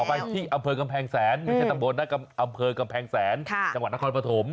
ไปที่อำเภอกำแพงแสนไม่ใช่ตำบลนะอำเภอกำแพงแสนจังหวัดนครปฐม